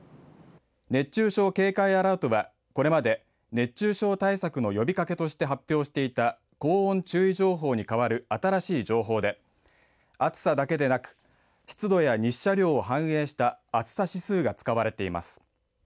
熱中症警戒アラートはこれまで熱中症対策の呼びかけとして発表していた高温注意情報にかわる新しい情報で暑さだけでなく湿度や日射量を反映した暑さ指数が使われています。